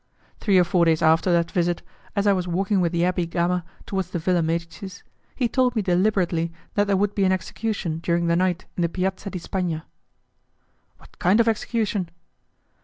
Three or four days after that visit, as I was walking with the Abbé Gama towards the Villa Medicis, he told me deliberately that there would be an execution during the night in the Piazza di Spagna. "What kind of execution?"